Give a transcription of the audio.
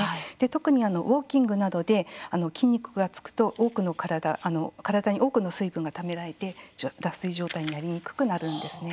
特にウォーキングなどで筋肉がつくと体に多くの水分がためられて脱水状態になりにくくなるんですね。